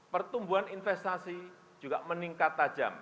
pertumbuhan investasi juga meningkat tajam